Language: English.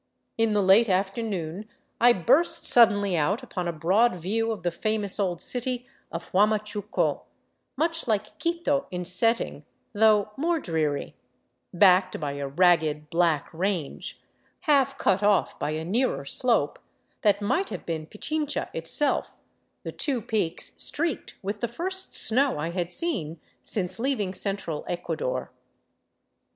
In the late afternoon I burst suddenly out upon a broad view of the famous old city of Huamachuco, much like Quito in setting, though more dreary, backed by a ragged, black range, half cut off by a nearer slope, that might have been Pichincha itself, the two peaks streaked with the first snow I had seen since leaving central Ecuador.